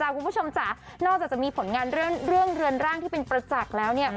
คุณผู้ชมจ๋านอกจากจะมีผลงานเรื่องเรือนร่างที่เป็นประจักษ์แล้วเนี่ย